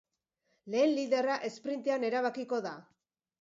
Lehen liderra esprintean erabakiko da.